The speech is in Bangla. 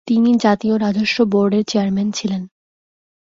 তিনি জাতীয় রাজস্ব বোর্ডের চেয়ারম্যান ছিলেন।